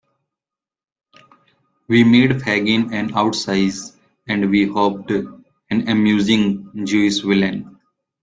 We made Fagin an outsize and, we hoped, an amusing Jewish villain.